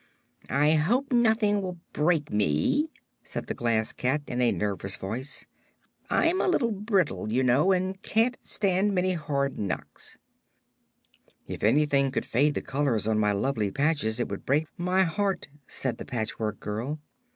"I hope nothing will break me," said the Glass Cat, in a nervous voice. "I'm a little brittle, you know, and can't stand many hard knocks." "If anything should fade the colors of my lovely patches it would break my heart," said the Patchwork Girl.